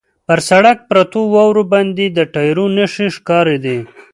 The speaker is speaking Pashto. پر سړک پرتو واورو باندې د ټایرو نښې ښکارېدې.